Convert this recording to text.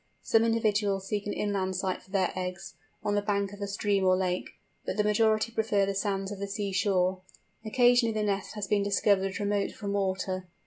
Some individuals seek an inland site for their eggs, on the bank of a stream or lake, but the majority prefer the sands of the sea shore. Occasionally the nest has been discovered remote from water.